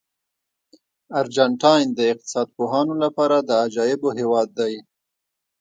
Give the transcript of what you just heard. ارجنټاین د اقتصاد پوهانو لپاره د عجایبو هېواد دی.